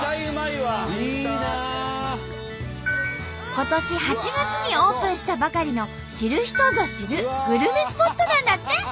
今年８月にオープンしたばかりの知る人ぞ知るグルメスポットなんだって！